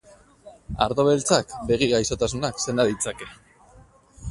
Ardo beltzak begi-gaixotasunak senda ditzake.